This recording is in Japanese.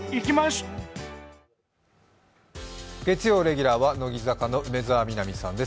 月曜レギュラーは乃木坂の梅澤美波ちゃんです。